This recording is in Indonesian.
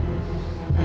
aku mau jalan